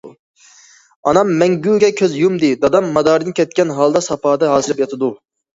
ئانام مەڭگۈگە كۆز يۇمدى، دادام مادارىدىن كەتكەن ھالدا ساپادا ھاسىراپ ياتىدۇ.